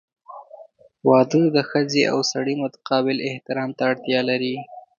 • واده د ښځې او سړي متقابل احترام ته اړتیا لري.